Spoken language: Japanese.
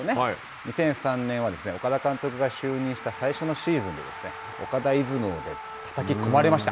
２００３年は岡田監督が就任した最初のシーズンで、岡田イズムをたたき込まれました。